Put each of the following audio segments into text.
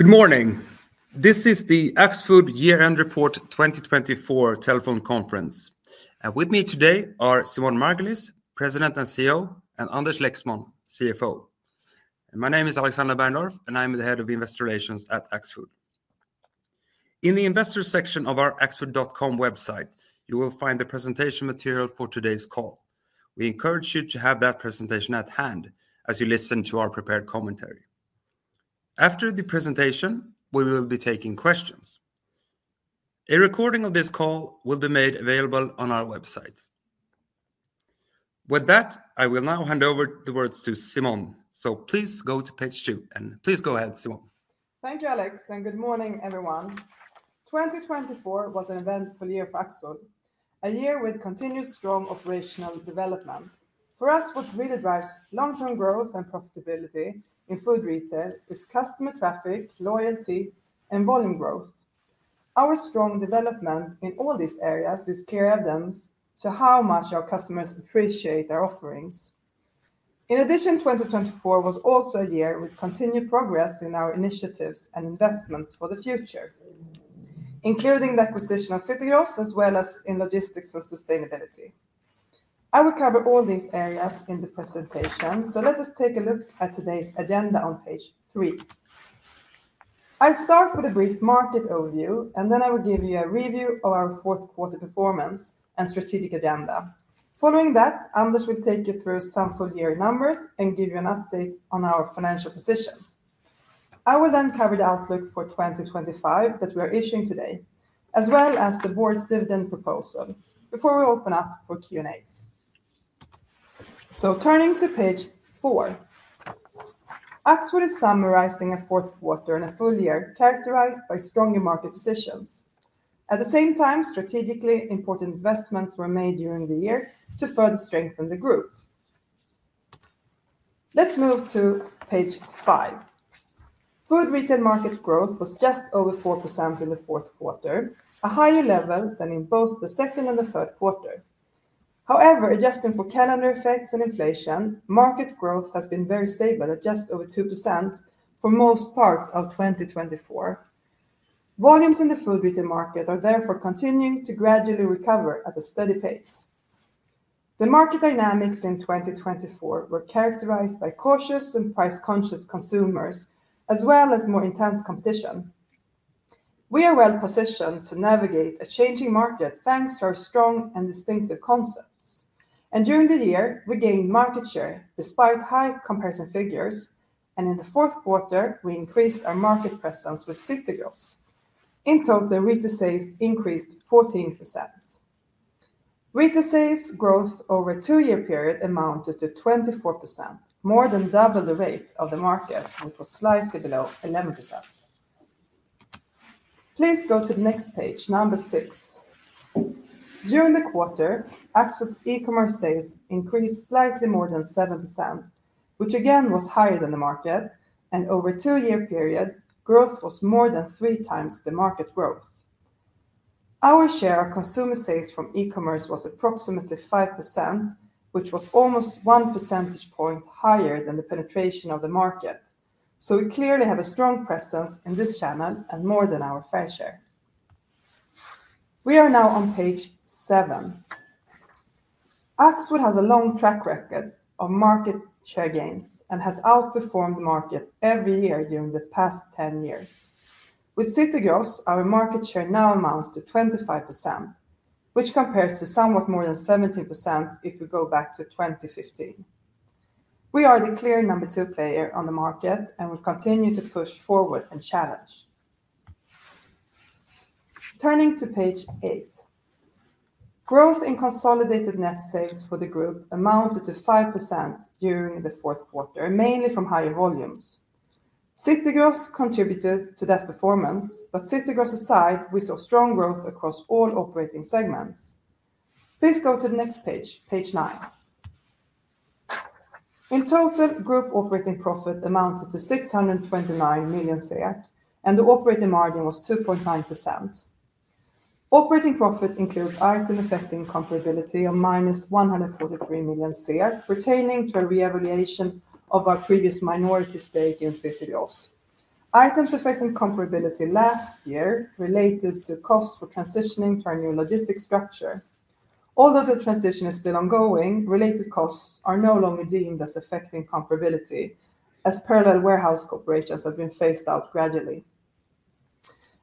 Good morning. This is the Axfood Year-End Report 2024 telephone conference. With me today are Simone Margulies, President and CEO, and Anders Lexmon, CFO. My name is Alexander Bergendorf, and I'm the Head of Investor Relations at Axfood. In the Investors section of our axfood.com website, you will find the presentation material for today's call. We encourage you to have that presentation at hand as you listen to our prepared commentary. After the presentation, we will be taking questions. A recording of this call will be made available on our website. With that, I will now hand over the words to Simone, so please go to page two. And please go ahead, Simone. Thank you, Alex, and good morning, everyone. 2024 was an eventful year for Axfood, a year with continued strong operational development. For us, what really drives long-term growth and profitability in food retail is customer traffic, loyalty, and volume growth. Our strong development in all these areas is clear evidence of how much our customers appreciate our offerings. In addition, 2024 was also a year with continued progress in our initiatives and investments for the future, including the acquisition of City Gross as well as in logistics and sustainability. I will cover all these areas in the presentation, so let us take a look at today's agenda on page three. I'll start with a brief market overview, and then I will give you a review of our fourth-quarter performance and strategic agenda. Following that, Anders will take you through some full-year numbers and give you an update on our financial position. I will then cover the outlook for 2025 that we are issuing today, as well as the board's dividend proposal before we open up for Q&As. So turning to page four, Axfood is summarizing a fourth quarter and a full year characterized by stronger market positions. At the same time, strategically important investments were made during the year to further strengthen the group. Let's move to page five. Food retail market growth was just over 4% in the fourth quarter, a higher level than in both the second and the third quarter. However, adjusting for calendar effects and inflation, market growth has been very stable at just over 2% for most parts of 2024. Volumes in the food retail market are therefore continuing to gradually recover at a steady pace. The market dynamics in 2024 were characterized by cautious and price-conscious consumers, as well as more intense competition. We are well-positioned to navigate a changing market thanks to our strong and distinctive concepts, and during the year, we gained market share despite high comparison figures, and in the fourth quarter, we increased our market presence with City Gross. In total, retail sales increased 14%. Retail sales growth over a two-year period amounted to 24%, more than double the rate of the market, which was slightly below 11%. Please go to the next page, number six. During the quarter, Axfood's e-commerce sales increased slightly more than 7%, which again was higher than the market, and over a two-year period, growth was more than three times the market growth. Our share of consumer sales from e-commerce was approximately 5%, which was almost one percentage point higher than the penetration of the market, so we clearly have a strong presence in this channel and more than our fair share. We are now on page seven. Axfood has a long track record of market share gains and has outperformed the market every year during the past 10 years. With City Gross, our market share now amounts to 25%, which compares to somewhat more than 17% if we go back to 2015. We are the clear number two player on the market and will continue to push forward and challenge. Turning to page eight, growth in consolidated net sales for the group amounted to 5% during the fourth quarter, mainly from higher volumes. City Gross contributed to that performance, but City Gross aside, we saw strong growth across all operating segments. Please go to the next page, page nine. In total, group operating profit amounted to 629 million, and the operating margin was 2.9%. Operating profit includes items affecting comparability of minus 143 million, pertaining to a re-evaluation of our previous minority stake in City Gross. Items affecting comparability last year related to costs for transitioning to our new logistics structure. Although the transition is still ongoing, related costs are no longer deemed as affecting comparability, as parallel warehouse corporations have been phased out gradually.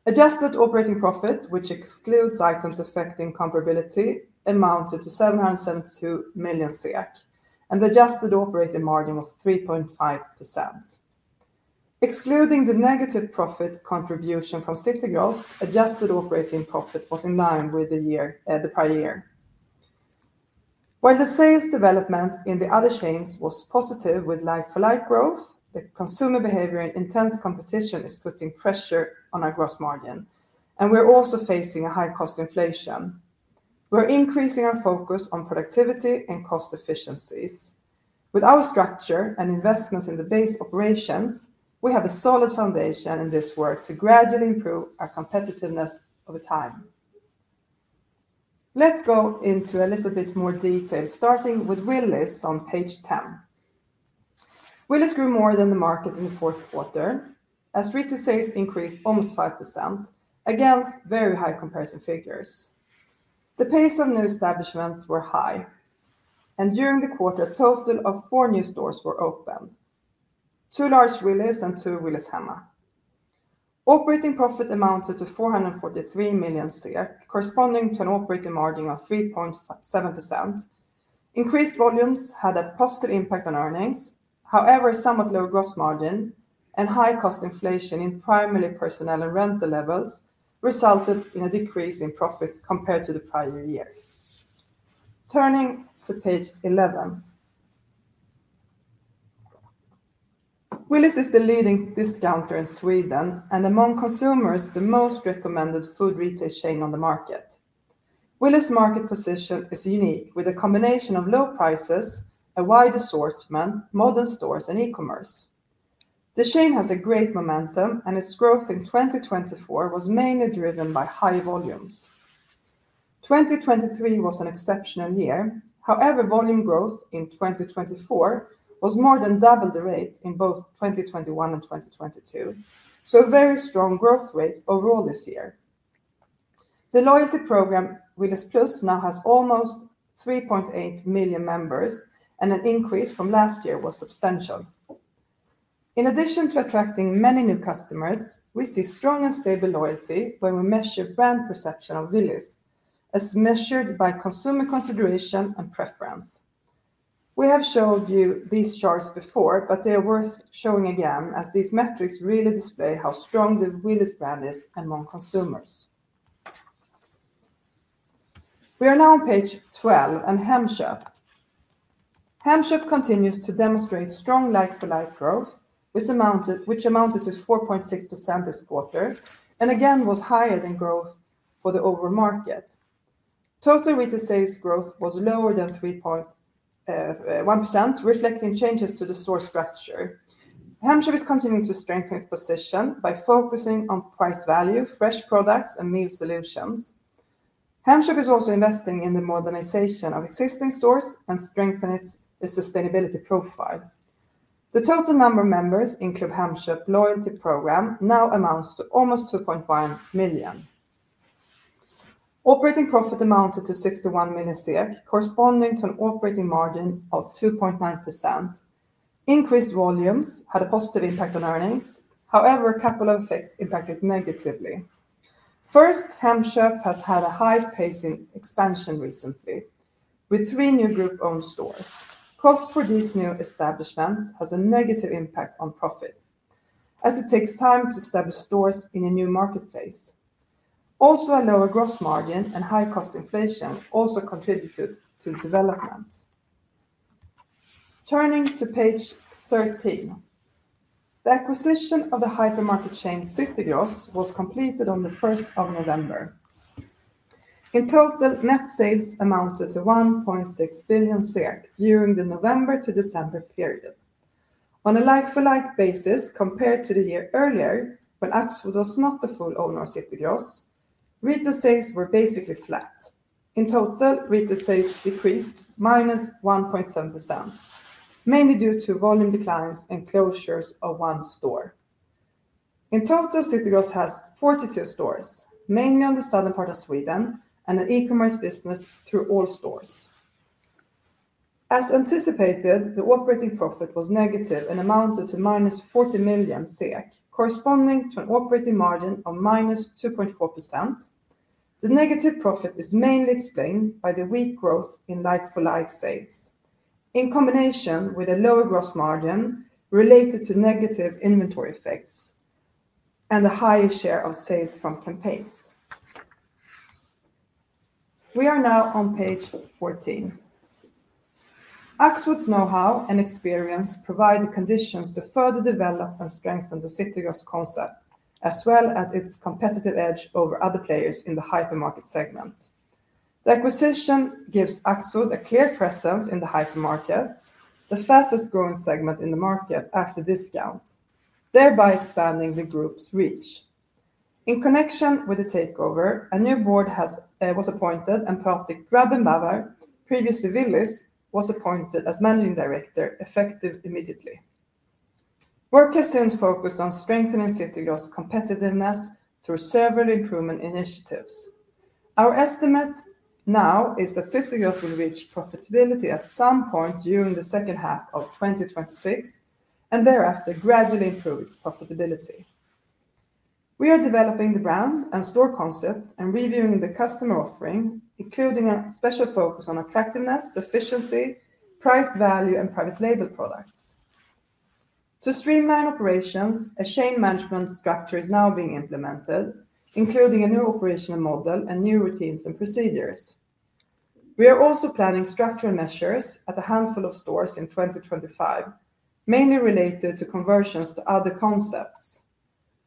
Adjusted operating profit, which excludes items affecting comparability, amounted to 772 million SEK, and the adjusted operating margin was 3.5%. Excluding the negative profit contribution from City Gross, adjusted operating profit was in line with the prior year. While the sales development in the other chains was positive with like-for-like growth, the consumer behavior and intense competition is putting pressure on our gross margin, and we're also facing high-cost inflation. We're increasing our focus on productivity and cost efficiencies. With our structure and investments in the base operations, we have a solid foundation in this work to gradually improve our competitiveness over time. Let's go into a little bit more detail, starting with Willys on page 10. Willys grew more than the market in the fourth quarter, as retail sales increased almost 5% against very high comparison figures. The pace of new establishments was high, and during the quarter, a total of four new stores were opened: two large Willys and two Willys Hemma. Operating profit amounted to 443 million, corresponding to an operating margin of 3.7%. Increased volumes had a positive impact on earnings. However, somewhat low gross margin and high-cost inflation in primarily personnel and rental levels resulted in a decrease in profit compared to the prior year. Turning to page 11, Willys is the leading discounter in Sweden and, among consumers, the most recommended food retail chain on the market. Willys' market position is unique, with a combination of low prices, a wide assortment, modern stores, and e-commerce. The chain has great momentum, and its growth in 2024 was mainly driven by high volumes. 2023 was an exceptional year. However, volume growth in 2024 was more than double the rate in both 2021 and 2022, so a very strong growth rate overall this year. The loyalty program, Willys Plus, now has almost 3.8 million members, and an increase from last year was substantial. In addition to attracting many new customers, we see strong and stable loyalty when we measure brand perception of Willys, as measured by consumer consideration and preference. We have showed you these charts before, but they are worth showing again, as these metrics really display how strong the Willys brand is among consumers. We are now on page 12, and Hemköp. Hemköp continues to demonstrate strong like-for-like growth, which amounted to 4.6% this quarter and again was higher than growth for the overall market. Total retail sales growth was lower than 3.1%, reflecting changes to the store structure. Hemköp is continuing to strengthen its position by focusing on price value, fresh products, and meal solutions. Hemköp is also investing in the modernization of existing stores and strengthening its sustainability profile. The total number of members in Klubb Hemköp loyalty program now amounts to almost 2.1 million. Operating profit amounted to 61 million, corresponding to an operating margin of 2.9%. Increased volumes had a positive impact on earnings. However, a couple of effects impacted negatively. First, Hemköp has had a high pace in expansion recently, with three new group-owned stores. Costs for these new establishments have a negative impact on profits, as it takes time to establish stores in a new marketplace. Also, a lower gross margin and high-cost inflation also contributed to the development. Turning to page 13, the acquisition of the hypermarket chain City Gross was completed on the 1st of November. In total, net sales amounted to 1.6 billion during the November to December period. On a like-for-like basis, compared to the year earlier, when Axfood was not the full owner of City Gross, retail sales were basically flat. In total, retail sales decreased minus 1.7%, mainly due to volume declines and closures of one store. In total, City Gross has 42 stores, mainly on the southern part of Sweden, and an e-commerce business through all stores. As anticipated, the operating profit was negative and amounted to -40 million SEK, corresponding to an operating margin of -2.4%. The negative profit is mainly explained by the weak growth in like-for-like sales, in combination with a lower gross margin related to negative inventory effects and a higher share of sales from campaigns. We are now on page 14. Axfood's know-how and experience provide the conditions to further develop and strengthen the City Gross concept, as well as its competitive edge over other players in the hypermarket segment. The acquisition gives Axfood a clear presence in the hypermarkets, the fastest-growing segment in the market after discount, thereby expanding the group's reach. In connection with the takeover, a new board was appointed, and Patrick Grabenbauer, previously Willys, was appointed as Managing Director, effective immediately. Work has since focused on strengthening City Gross's competitiveness through several improvement initiatives. Our estimate now is that City Gross will reach profitability at some point during the second half of 2026 and thereafter gradually improve its profitability. We are developing the brand and store concept and reviewing the customer offering, including a special focus on attractiveness, efficiency, price value, and private label products. To streamline operations, a chain management structure is now being implemented, including a new operational model and new routines and procedures. We are also planning structural measures at a handful of stores in 2025, mainly related to conversions to other concepts.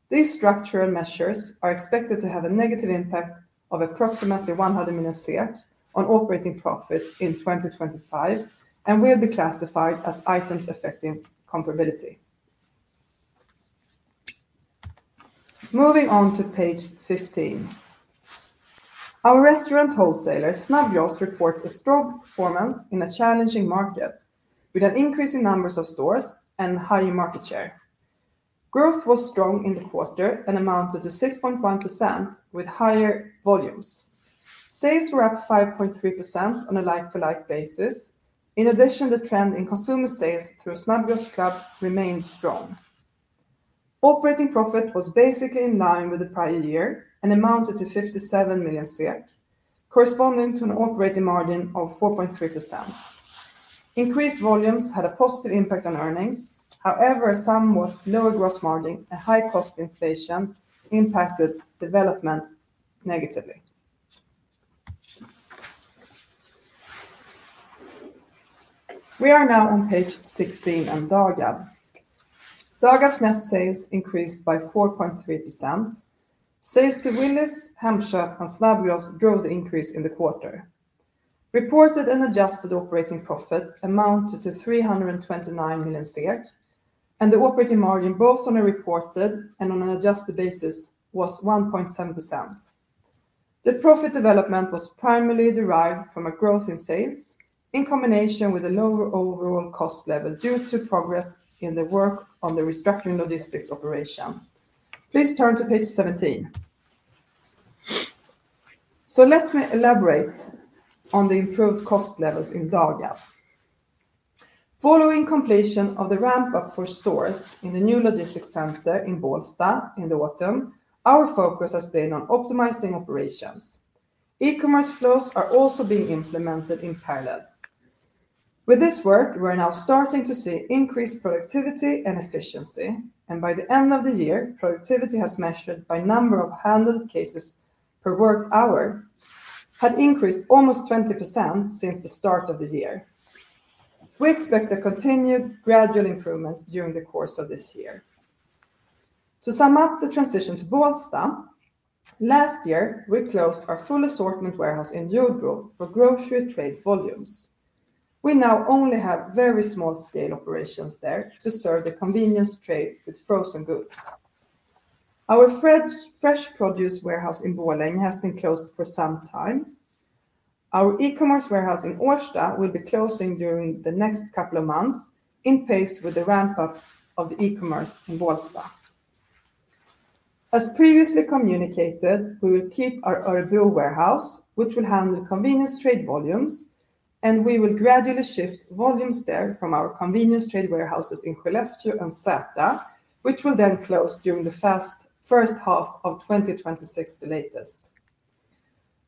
These structural measures are expected to have a negative impact of approximately 100 million on operating profit in 2025 and will be classified as items affecting comparability. Moving on to page 15, our restaurant wholesaler, Snabbgross, reports a strong performance in a challenging market, with an increase in numbers of stores and higher market share. Growth was strong in the quarter and amounted to 6.1%, with higher volumes. Sales were up 5.3% on a like-for-like basis. In addition, the trend in consumer sales through Snabbgross Club remained strong. Operating profit was basically in line with the prior year and amounted to 57 million SEK, corresponding to an operating margin of 4.3%. Increased volumes had a positive impact on earnings. However, a somewhat lower gross margin and high-cost inflation impacted development negatively. We are now on page 16 and Dagab. Dagab's net sales increased by 4.3%. Sales to Willys, Hemköp, and Snabbgross drove the increase in the quarter. Reported and adjusted operating profit amounted to 329 million, and the operating margin, both on a reported and on an adjusted basis, was 1.7%. The profit development was primarily derived from a growth in sales in combination with a lower overall cost level due to progress in the work on the restructuring logistics operation. Please turn to page 17. So let me elaborate on the improved cost levels in Dagab. Following completion of the ramp-up for stores in the new logistics center in Bålsta in the autumn, our focus has been on optimizing operations. E-commerce flows are also being implemented in parallel. With this work, we're now starting to see increased productivity and efficiency, and by the end of the year, productivity has measured by number of handled cases per worked hour, had increased almost 20% since the start of the year. We expect a continued gradual improvement during the course of this year. To sum up the transition to Bålsta, last year, we closed our full assortment warehouse in Jordbro for grocery trade volumes. We now only have very small-scale operations there to serve the convenience trade with frozen goods. Our fresh produce warehouse in Borlänge has been closed for some time. Our e-commerce warehouse in Årsta will be closing during the next couple of months in pace with the ramp-up of the e-commerce in Bålsta. As previously communicated, we will keep our Örebro warehouse, which will handle convenience trade volumes, and we will gradually shift volumes there from our convenience trade warehouses in Skellefteå and Sätra, which will then close during the first half of 2026, the latest.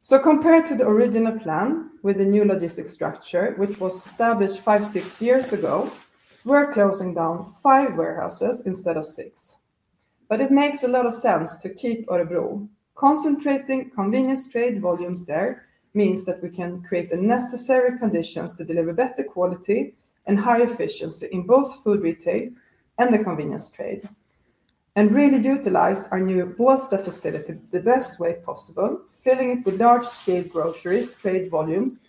So compared to the original plan with the new logistics structure, which was established five, six years ago, we're closing down five warehouses instead of six. But it makes a lot of sense to keep Örebro. Concentrating convenience trade volumes there means that we can create the necessary conditions to deliver better quality and high efficiency in both food retail and the convenience trade, and really utilize our new Bålsta facility the best way possible, filling it with large-scale groceries trade volumes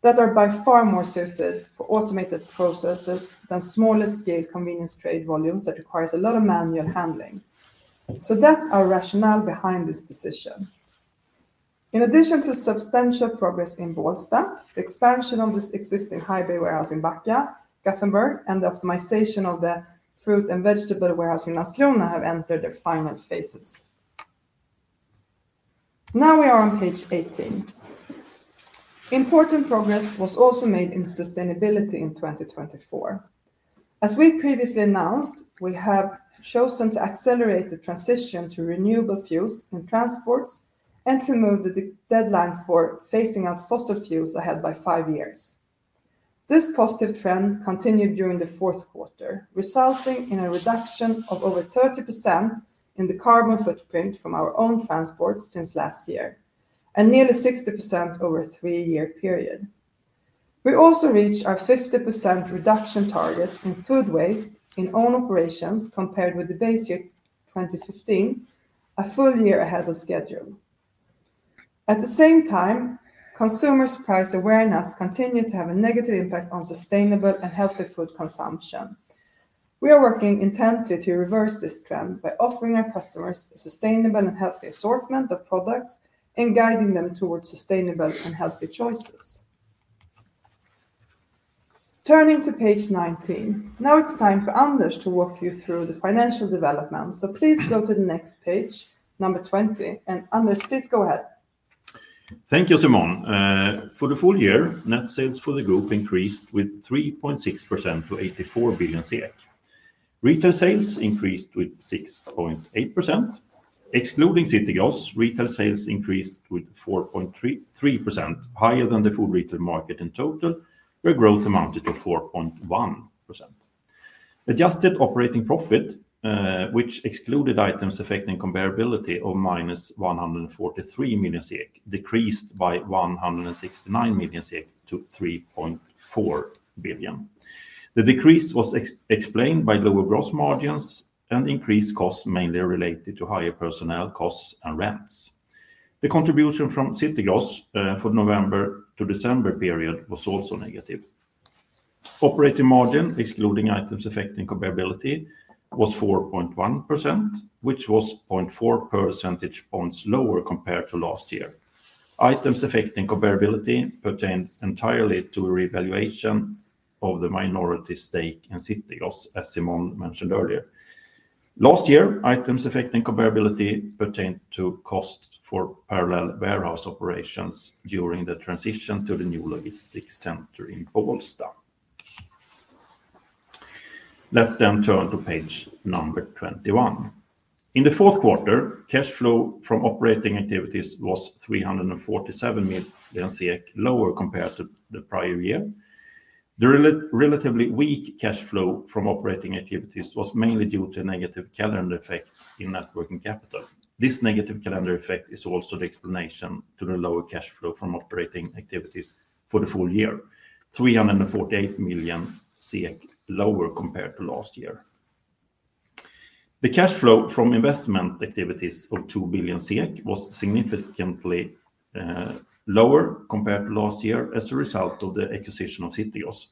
that are by far more suited for automated processes than smaller-scale convenience trade volumes that require a lot of manual handling. So that's our rationale behind this decision. In addition to substantial progress in Bålsta, the expansion of this existing high-bay warehouse in Backa, Gothenburg, and the optimization of the fruit and vegetable warehouse in Landskrona have entered their final phases. Now we are on page 18. Important progress was also made in sustainability in 2024. As we previously announced, we have chosen to accelerate the transition to renewable fuels in transports and to move the deadline for phasing out fossil fuels ahead by five years. This positive trend continued during the fourth quarter, resulting in a reduction of over 30% in the carbon footprint from our own transports since last year and nearly 60% over a three-year period. We also reached our 50% reduction target in food waste in own operations compared with the base year 2015, a full year ahead of schedule. At the same time, consumers' price awareness continued to have a negative impact on sustainable and healthy food consumption. We are working intently to reverse this trend by offering our customers a sustainable and healthy assortment of products and guiding them towards sustainable and healthy choices. Turning to page 19, now it's time for Anders to walk you through the financial development. So please go to the next page, number 20, and Anders, please go ahead. Thank you, Simone. For the full year, net sales for the group increased with 3.6% to 84 billion SEK. Retail sales increased with 6.8%. Excluding City Gross, retail sales increased with 4.3%, higher than the food retail market in total, where growth amounted to 4.1%. Adjusted operating profit, which excluded items affecting comparability of minus 143 million SEK, decreased by 169 million SEK to 3.4 billion. The decrease was explained by lower gross margins and increased costs mainly related to higher personnel costs and rents. The contribution from City Gross for the November to December period was also negative. Operating margin, excluding items affecting comparability, was 4.1%, which was 0.4 percentage points lower compared to last year. Items affecting comparability pertained entirely to revaluation of the minority stake in City Gross, as Simone mentioned earlier. Last year, items affecting comparability pertained to costs for parallel warehouse operations during the transition to the new logistics center in Bålsta. Let's then turn to page number 21. In the fourth quarter, cash flow from operating activities was 347 million SEK lower compared to the prior year. The relatively weak cash flow from operating activities was mainly due to a negative calendar effect in net working capital. This negative calendar effect is also the explanation for the lower cash flow from operating activities for the full year, 348 million SEK lower compared to last year. The cash flow from investment activities of 2 billion SEK was significantly lower compared to last year as a result of the acquisition of City Gross.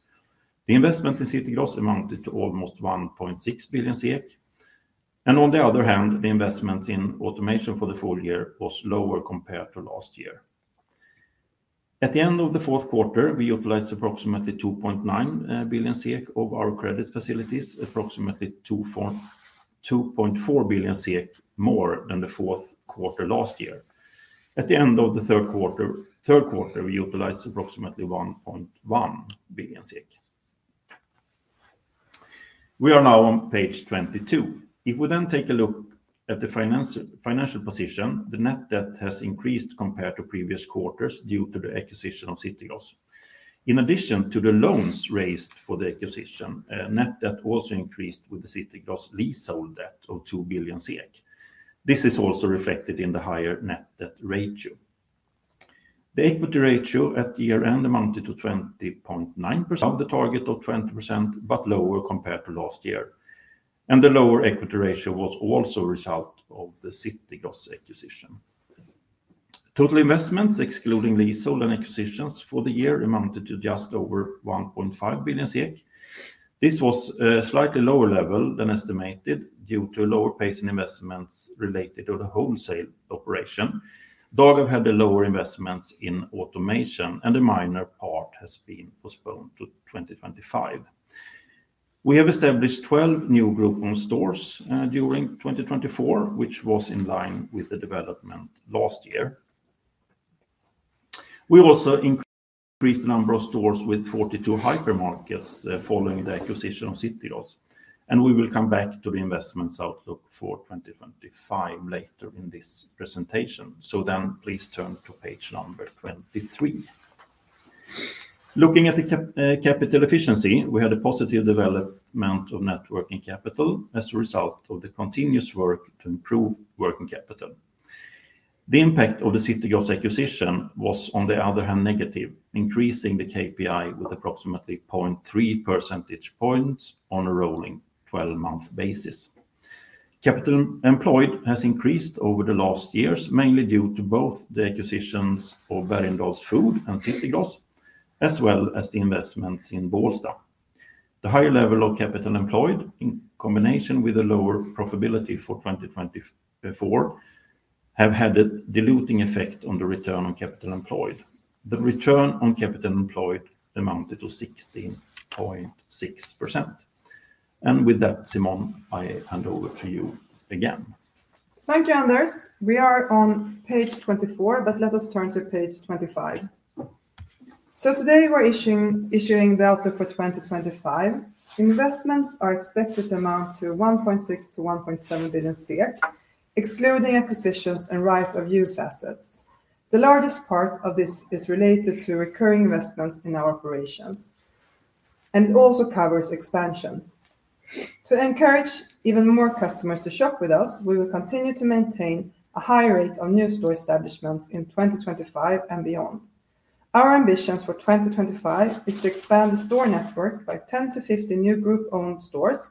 The investment in City Gross amounted to almost 1.6 billion SEK. On the other hand, the investments in automation for the full year were lower compared to last year. At the end of the fourth quarter, we utilized approximately 2.9 billion of our credit facilities, approximately 2.4 billion more than the fourth quarter last year. At the end of the third quarter, we utilized approximately 1.1 billion SEK. We are now on page 22. If we then take a look at the financial position, the net debt has increased compared to previous quarters due to the acquisition of City Gross. In addition to the loans raised for the acquisition, net debt also increased with the City Gross leasehold debt of 2 billion SEK. This is also reflected in the higher net debt ratio. The equity ratio at year-end amounted to 20.9%, above the target of 20%, but lower compared to last year. The lower equity ratio was also a result of the City Gross acquisition. Total investments, excluding leasehold and acquisitions for the year, amounted to just over 1.5 billion. This was a slightly lower level than estimated due to lower pace in investments related to the wholesale operation. Dagab had the lower investments in automation, and the minor part has been postponed to 2025. We have established 12 new group Hemköp stores during 2024, which was in line with the development last year. We also increased the number of stores with 42 hypermarkets following the acquisition of City Gross, and we will come back to the investments outlook for 2025 later in this presentation, so then please turn to page number 23. Looking at the capital efficiency, we had a positive development of net working capital as a result of the continuous work to improve working capital. The impact of the City Gross acquisition was, on the other hand, negative, increasing the KPI with approximately 0.3 percentage points on a rolling 12-month basis. Capital employed has increased over the last years, mainly due to both the acquisitions of Bergendahls Food and City Gross, as well as the investments in Bålsta. The higher level of capital employed, in combination with the lower profitability for 2024, have had a diluting effect on the return on capital employed. The return on capital employed amounted to 16.6%. And with that, Simone, I hand over to you again. Thank you, Anders. We are on page 24, but let us turn to page 25. So today, we're issuing the outlook for 2025. Investments are expected to amount to 1.6 billion-1.7 billion, excluding acquisitions and right-of-use assets. The largest part of this is related to recurring investments in our operations and also covers expansion. To encourage even more customers to shop with us, we will continue to maintain a high rate of new store establishments in 2025 and beyond. Our ambitions for 2025 are to expand the store network by 10-15 new group-owned stores,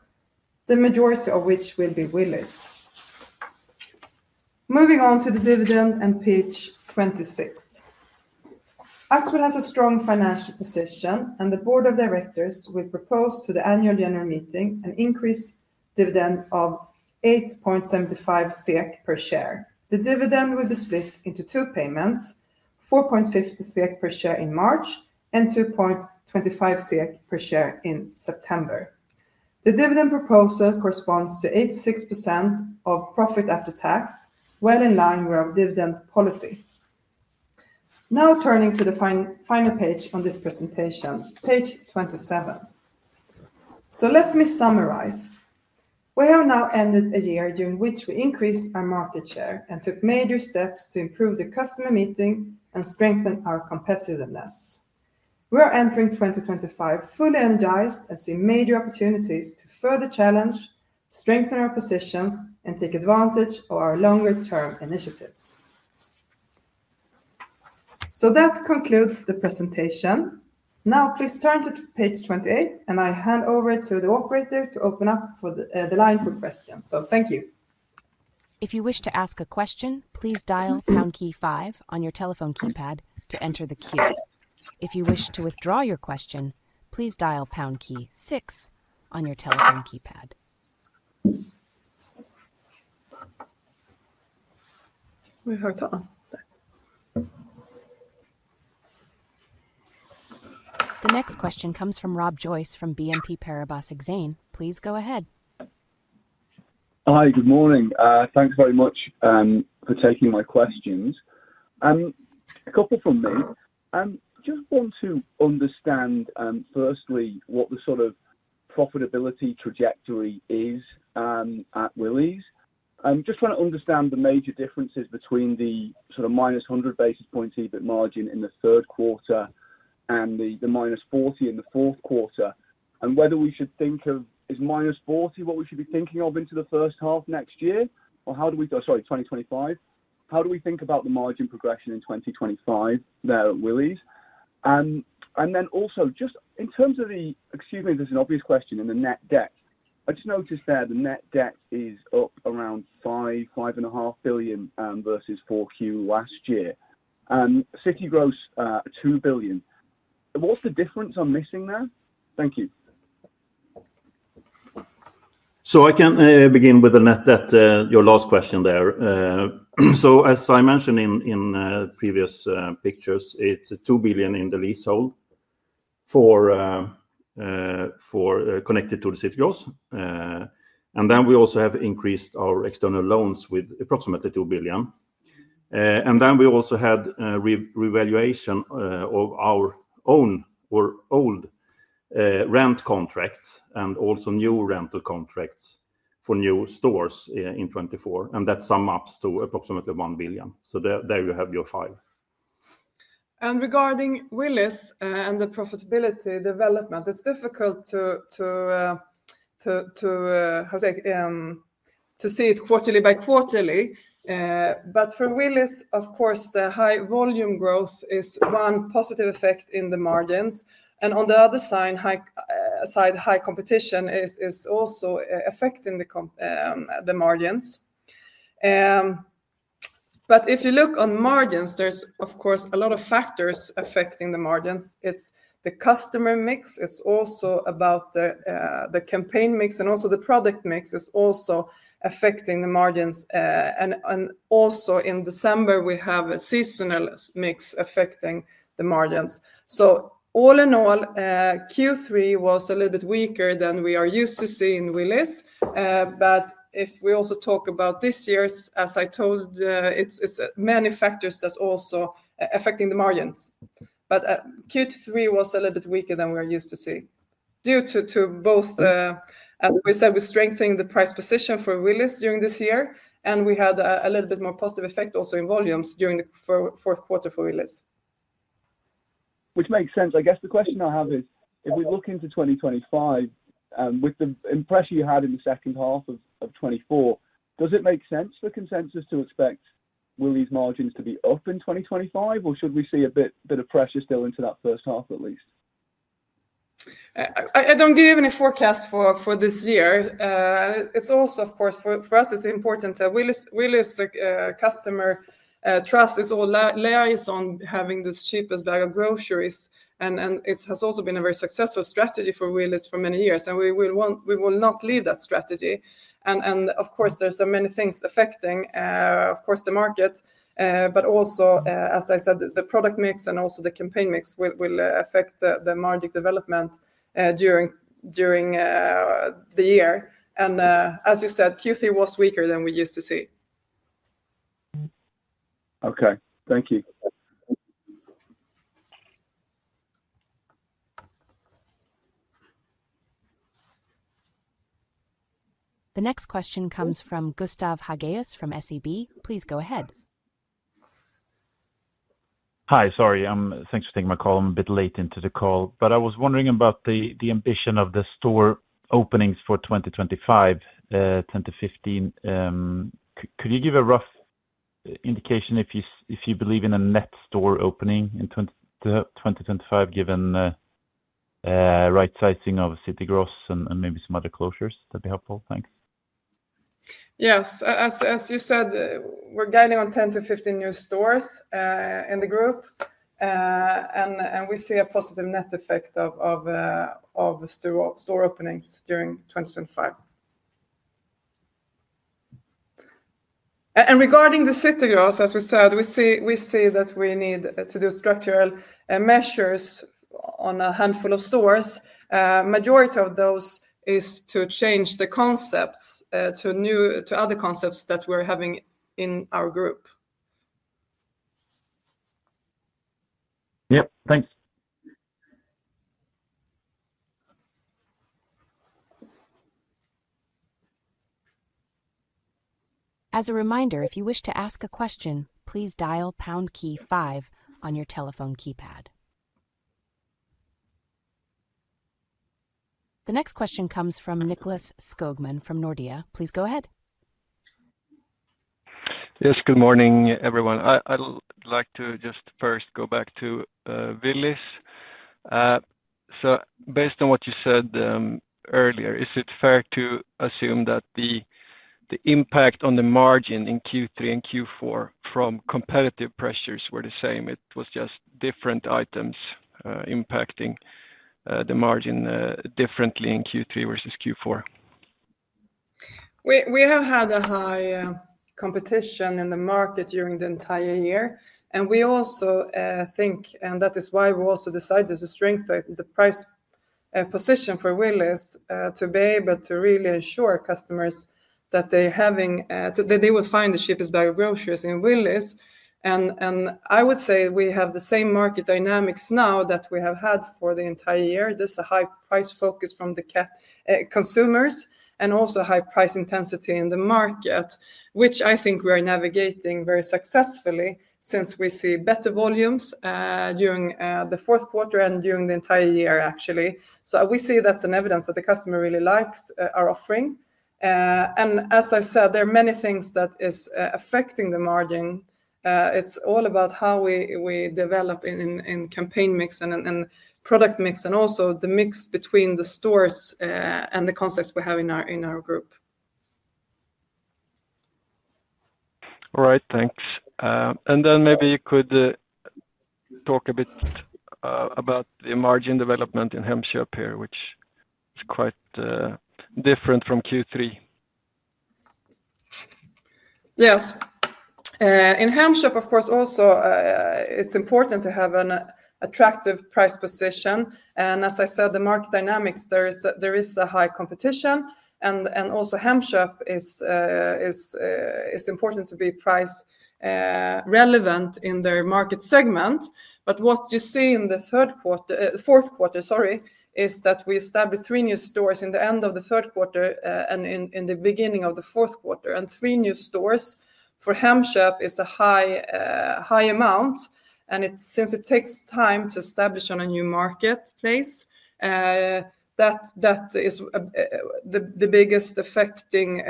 the majority of which will be Willys. Moving on to the dividend and page 26. Axfood has a strong financial position, and the board of directors will propose to the annual general meeting an increased dividend of 8.75 SEK per share. The dividend will be split into two payments, 4.50 SEK per share in March and 2.25 SEK per share in September. The dividend proposal corresponds to 86% of profit after tax, well in line with our dividend policy. Now turning to the final page on this presentation, page 27, so let me summarize. We have now ended a year during which we increased our market share and took major steps to improve the customer meeting and strengthen our competitiveness. We are entering 2025 fully energized and seeing major opportunities to further challenge, strengthen our positions, and take advantage of our longer-term initiatives, so that concludes the presentation. Now please turn to page 28, and I hand over to the operator to open up the line for questions, so thank you. If you wish to ask a question, please dial pound key five on your telephone keypad to enter the queue. If you wish to withdraw your question, please dial pound key six on your telephone keypad. We heard the answer. The next question comes from Rob Joyce from BNP Paribas Exane. Please go ahead. Hi, good morning. Thanks very much for taking my questions. A couple from me. Just want to understand, firstly, what the sort of profitability trajectory is at Willys. Just want to understand the major differences between the sort of minus 100 basis point EBIT margin in the third quarter and the minus 40 in the fourth quarter, and whether we should think of is minus 40 what we should be thinking of into the first half next year, or how do we, sorry, 2025, how do we think about the margin progression in 2025 there at Willys? And then also, just in terms of the, excuse me, this is an obvious question, in the net debt. I just noticed there the net debt is up around 5 billion-5.5 billion versus Q4 last year. City Gross, 2 billion. What's the difference I'm missing there? Thank you. So I can begin with the net debt, your last question there. So as I mentioned in previous pictures, it's 2 billion in the leasehold for connected to the City Gross. And then we also have increased our external loans with approximately 2 billion. And then we also had revaluation of our own or old rent contracts and also new rental contracts for new stores in 2024. And that sums up to approximately 1 billion. So there you have your five. And regarding Willys and the profitability development, it's difficult to see it quarterly by quarterly. But for Willys, of course, the high volume growth is one positive effect in the margins. And on the other side, high competition is also affecting the margins. But if you look on margins, there's, of course, a lot of factors affecting the margins. It's the customer mix. It's also about the campaign mix, and also the product mix is also affecting the margins. And also in December, we have a seasonal mix affecting the margins. So all in all, Q3 was a little bit weaker than we are used to seeing Willys. But if we also talk about this year, as I told, it's many factors that's also affecting the margins. But Q3 was a little bit weaker than we are used to see due to both, as we said, we're strengthening the price position for Willys during this year, and we had a little bit more positive effect also in volumes during the fourth quarter for Willys. Which makes sense. I guess the question I have is, if we look into 2025, with the impression you had in the second half of 2024, does it make sense for consensus to expect Willys' margins to be up in 2025, or should we see a bit of pressure still into that first half at least? I don't give any forecast for this year. It's also, of course, for us, it's important that Willys' customer trust is all about having the cheapest bag of groceries. And it has also been a very successful strategy for Willys for many years. And we will not leave that strategy. And of course, there are many things affecting, of course, the market, but also, as I said, the product mix and also the campaign mix will affect the margin development during the year. And as you said, Q3 was weaker than we used to see. Okay. Thank you. The next question comes from Gustav Hagéus from SEB. Please go ahead. Hi, sorry. Thanks for taking my call. I'm a bit late into the call, but I was wondering about the ambition of the store openings for 2025-2015. Could you give a rough indication if you believe in a net store opening in 2025, given right-sizing of City Gross and maybe some other closures? That'd be helpful. Thanks. Yes. As you said, we're guiding on 10 to 15 new stores in the group, and we see a positive net effect of store openings during 2025, and regarding the City Gross, as we said, we see that we need to do structural measures on a handful of stores. The majority of those is to change the concepts to other concepts that we're having in our group. Yep. Thanks. As a reminder, if you wish to ask a question, please dial pound key five on your telephone keypad. The next question comes from Nicklas Skogman from Nordea. Please go ahead. Yes. Good morning, everyone. I'd like to just first go back to Willys. So based on what you said earlier, is it fair to assume that the impact on the margin in Q3 and Q4 from competitive pressures were the same? It was just different items impacting the margin differently in Q3 versus Q4. We have had a high competition in the market during the entire year. And we also think, and that is why we also decided to strengthen the price position for Willys to be able to really ensure customers that they would find the cheapest bag of groceries in Willys. I would say we have the same market dynamics now that we have had for the entire year. There's a high price focus from the consumers and also high price intensity in the market, which I think we are navigating very successfully since we see better volumes during the fourth quarter and during the entire year, actually. So we see that's an evidence that the customer really likes our offering. And as I said, there are many things that are affecting the margin. It's all about how we develop in campaign mix and product mix and also the mix between the stores and the concepts we have in our group. All right. Thanks. And then maybe you could talk a bit about the margin development in Hemköp here, which is quite different from Q3. Yes. In Hemköp, of course, also it's important to have an attractive price position. As I said, the market dynamics. There is a high competition. And also Hemköp is important to be price-relevant in their market segment. But what you see in the third quarter, fourth quarter, sorry, is that we established three new stores in the end of the third quarter and in the beginning of the fourth quarter. And three new stores for Hemköp is a high amount. And since it takes time to establish on a new marketplace, that is the biggest affecting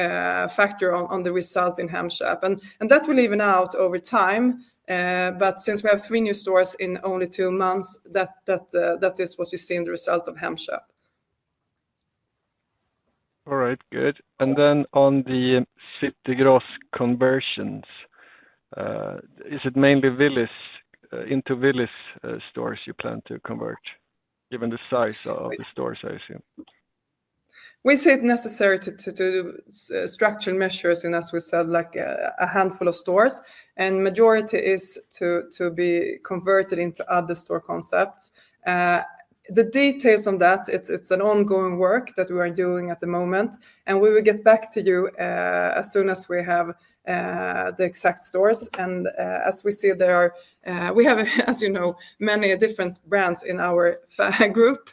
factor on the result in Hemköp. And that will even out over time. But since we have three new stores in only two months, that is what you see in the result of Hemköp. All right. Good. And then on the City Gross conversions, is it mainly into Willys stores you plan to convert, given the size of the stores, I assume? We see it necessary to do structural measures in, as we said, like a handful of stores. And the majority is to be converted into other store concepts. The details on that, it's an ongoing work that we are doing at the moment. And we will get back to you as soon as we have the exact stores. And as we see, we have, as you know, many different brands in our group.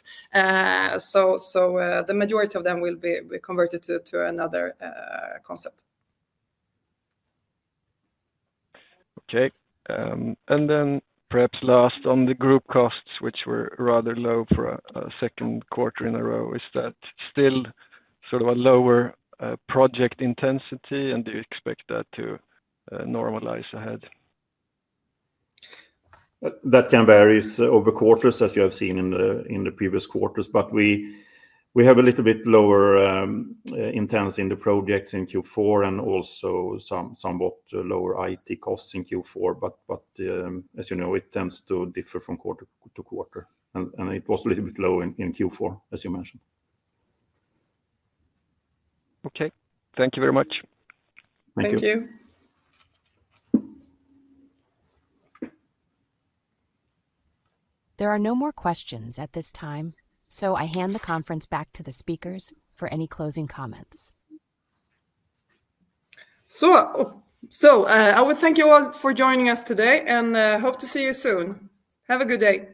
So the majority of them will be converted to another concept. Okay. And then perhaps last on the group costs, which were rather low for a second quarter in a row, is that still sort of a lower project intensity, and do you expect that to normalize ahead? That can vary over quarters, as you have seen in the previous quarters. But we have a little bit lower intensity in the projects in Q4 and also somewhat lower IT costs in Q4. But as you know, it tends to differ from quarter to quarter. And it was a little bit low in Q4, as you mentioned. Okay. Thank you very much. Thank you. Thank you. There are no more questions at this time, so I hand the conference back to the speakers for any closing comments. So I would thank you all for joining us today and hope to see you soon. Have a good day.